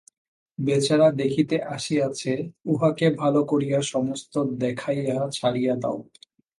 বেচারা দেখিতে আসিয়াছে, উহাকে ভালো করিয়া সমস্ত দেখাইয়া ছাড়িয়া দাও।